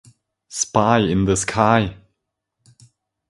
Spy in the Sky!